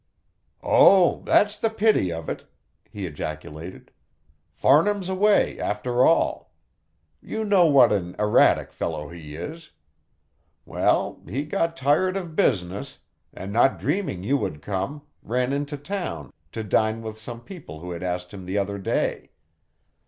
"Oh, that's the pity of it," he ejaculated. "Farnham's away, after all. You know what an erratic fellow he is? Well, he got tired of business, and not dreaming you would come, ran into town to dine with some people who had asked him the other day.